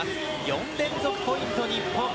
４連続ポイント、日本。